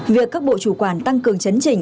việc các bộ chủ quản tăng cường chấn trình